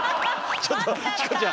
ちょっとチコちゃん！